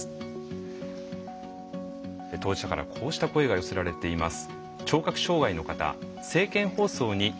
当事者からこうした声が寄せられています。